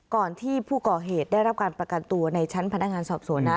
ก่อนที่ผู้ก่อเหตุได้รับการประกันตัวในชั้นพนักงานสอบสวนนะ